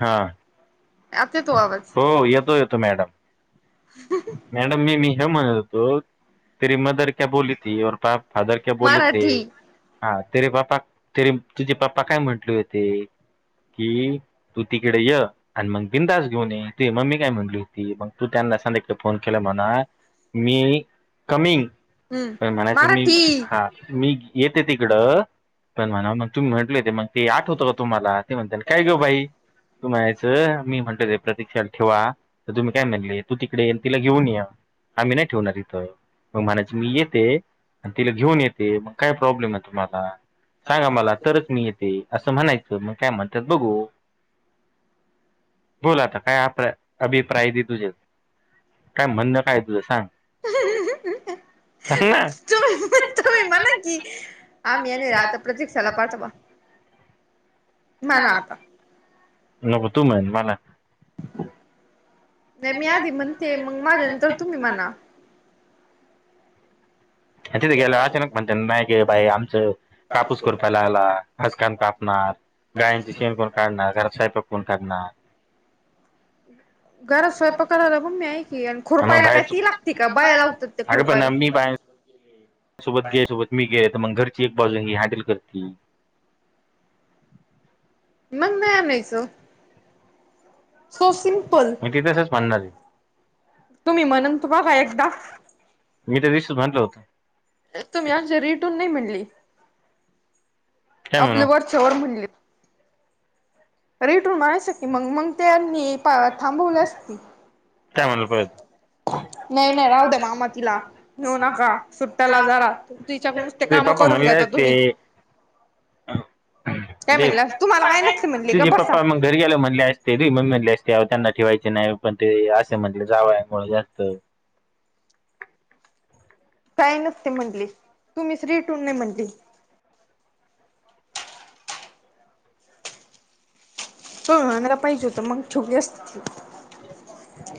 हा आता तो आवाज हो येतो येतो मॅडम [unintelligible] मॅडम मी मी हे म्हणतो ती रिमा आदारे काय बोल ती और फा फादर क्या बोले थे मराठी हा तेरे पा्पा तरी तुझे पाप्पा काय म्हंटले होते कि तू तिकडे य आणि मग बिंदास घेऊन ये तु मम्मी काय म्हणली होती मग तू त्यांना सांध्या फोन केलाय म्हणा मी कमिंग पण हम्म म्हणायचं मी मराठी हा मी येते तिकडं पण म्हणा मग तुम्ही म्हटले होते मग ते आठवं होतं का तुम्हाला ते म्हणता काय गं बाई तू म्हणांयचं मी म्हणतो ते प्रतिक्षाला ठेवा तर तुम्ही काय म्हणले तू तिकडे ये आणि तिला घेऊन ये आम्ही नाही ठेवणार इथं मग म्हणायच मी येते आणि तिला घेऊन येते मग काय प्रॉब्लेम आहे तुम्हाला सांगा मला तरच मी येते असं म्हणायचं मग काय म्हणतात बघू. बोल आता काय आप्रय अभी प्राय दे तूझे, काय म्हणणं काय तुला सांग सांग ना त तम म न की आम यान राहता प्रतीक सला पातबा आता नक तुम मला नाही मी आधी म्हणते मग माझ्या नंतर तुम्ही म्हणा तिथे गेल्या अचानक म्हणते नाही क बाई आमचं कापूस करपायला आला हजकाम कापणार गायंची शेण कोण काढणार घरात सावयंपाक कोण काढणार हम् घरात स्वयंपा करायला मण मी ऐ की आणि मग खुरपायला काय ती लागते का बाया बाहेर लावतात ते अगं पण खुरपायला मी बाहेर सोबत गे सोबत मी गे तर मग घरची एक बाजू ही हँडल करते मग नाही आणयचं सिम्पल मी तिथेचच म्हणणारी तुम्ही म्हणन तू बघा एकदा मी ते रसस म्हटलं होतं तुमही आमच्या रिटून नाही म्हणली काय म्हणू आपल्या वरच्यावर म्हणले. रेट रून माणायच की मग मग त्यानी थांबवल्या असती. हा. काय म्हणलं पाहिजे नाही नाही राह द मामा तिला घेऊ नका सुट्ट्याला जारा. तच्याक नुसते तुझे काम पप्पा करून म्हणले घ्याता असते तुम्ही नाही म्हणलं तुम्हाला काय नसते म्हणले. गप जे बसा पप्पा मग घरी गेला म्हणले असते तु मग म्हणले असते त्यांना ठेवायचे नाही पण ते अस म्हटलं जावयामुळे जास्त काय नसते म्हटले तुम्ही स््री टून नाही म्हटली. हो आणला पाहिजे होत मग ठोक अस.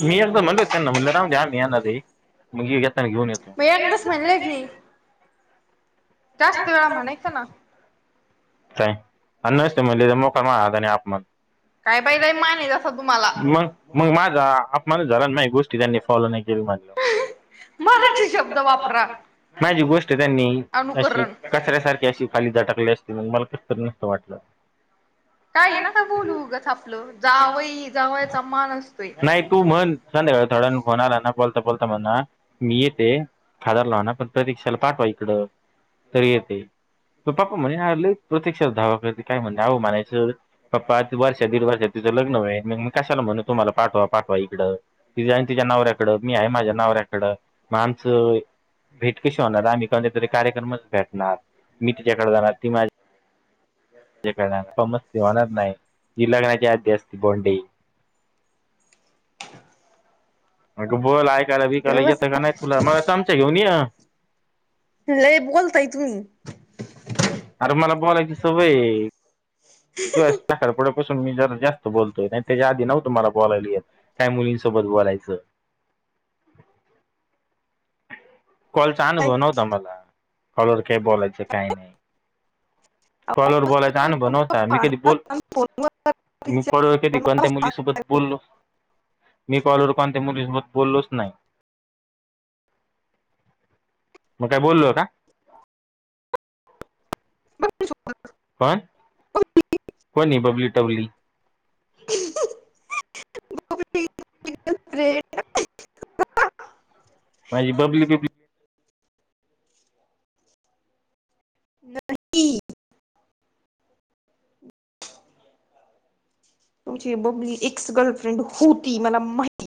मी एकदम म्हणलो हो त्यांना मुणलं ना द्या मी अणार. मग ये घताना घेऊन येतो. मग एकदाच म्हणले की जास्त वेळा म्हणायच ना. का अ न म लिे मोका मात आणि आप मण. काय बाई लय मान आहे जसा तुम्हाला मग मग माझा अमान झाला मा गोष्टी त्यांनी फॉलो नाही के जरू मतलं. मराठी शब्द वापरा माझी गोष्ट त्यांनी अशी अनुकरण कचऱ्यासारखी अशी खाली जाटाकले असतील मला कस तरी नसतं वाटलं. काय ना का बोलूग आपलं जावई जावयाचा मान असतोय. संध्या थोड्या फोन आला ना बोलता बोलत म्हणा मी येते. खदार लाव ना पण प्रतीक्षेला पाठवा इकडं तरी येते. पप्पा म्हणे प्रत्यक्षात धावा करते काय म्हण आह म्हणायचं पप्पा वर्षा दीड वर्ष तिचं लग्न वळेल मी कशाला म्हण तुम्हाला पाठवा पाठवा इकं तिझ आणि तिच्या नावऱ्याकडं मी आहे माझ्या नावाऱ्याकडं माणसं. भेट कशी होणार आम्ही कोणत तरी कार्यक्रमच भेटणार मी तिच्याकडे जाणार ती माझ मजते होणार नाही ही लग्नाची यादी असते भोंडी म बोल ऐकायला विकायला गप बस येतं का नाही तुला मला चमचा घेऊन ये. लय बोलताय तुम्ही. अर मला बोलायचं क सवय आहे. ून मी जरा जास्त बोलतोय नाही त्याच्या आधी न तुम्हाला बोलायली काय मुलींसोबत बोलायचं. कॉलचा अनुभव नवता मला कॉलवर काही बोलायचं काही नाही. कॉलवर बोलायचां आहे अनुभव होता मी कधी बोल हो. मी पड क त कोण त्या मुलीसोबत बोललो. मी कॉलोर कोन मुलीसत बोललोच नाही. मग काय बोललो आहे का. [unintelligible] कोण कोणी बबली टबली. फेर्न्ड. माझी बबली बबली. तुमची बबली एक्स गर्लफ्रेंड होती मला माहि